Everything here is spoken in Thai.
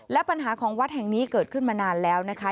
และปัญหาของวัดแห่งนี้เกิดขึ้นมานานแล้วนะคะ